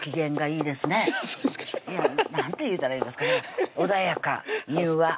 ハハハッ何て言うたらいいんですかね穏やか柔和